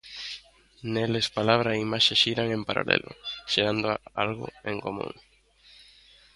Neles palabra e imaxe xiran en paralelo, xerando algo en común.